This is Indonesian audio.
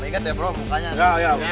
ingat ya bro bukannya